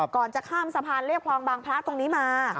ก่อนจะข้ามสะพานเรียบคลองบางพระตรงนี้มา